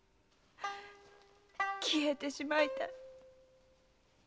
消えてしまいたい。